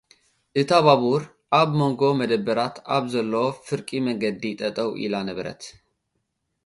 እታ ባቡር፡ ኣብ መንጐ መደበራት ኣብ ዘሎ ፍርቂ መገዲ ጠጠው ኢላ ነበረት።